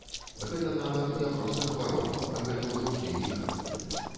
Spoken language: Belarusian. Гэта нават не проста хвароба, а гэта ўжо клініка.